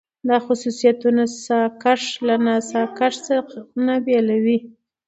دا خصوصيتونه ساکښ له ناساکښ نه بېلوي.